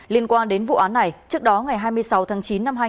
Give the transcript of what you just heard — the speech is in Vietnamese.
liên quan đến vụ án này trước đó ngày hai mươi sáu tháng chín